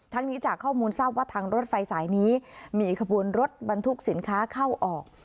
นี้จากข้อมูลทราบว่าทางรถไฟสายนี้มีขบวนรถบรรทุกสินค้าเข้าออก